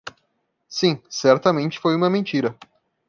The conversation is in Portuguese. Sim; Certamente foi uma mentira.